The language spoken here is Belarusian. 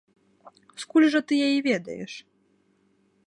Скуль жа ты яе ведаеш?